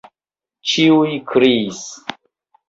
ĉiuj kriis.